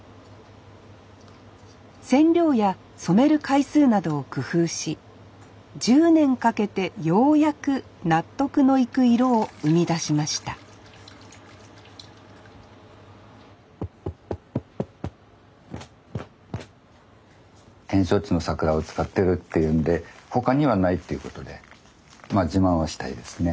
染料や染める回数などを工夫し１０年かけてようやく納得のいく色を生み出しました展勝地の桜を使ってるっていうんで他にはないっていうことでまあ自慢はしたいですね。